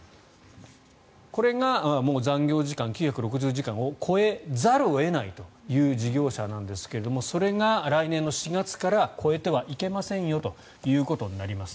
これがもう残業時間９６０時間を超えざるを得ないという事業者なんですがそれが来年４月から超えてはいけませんよということになります。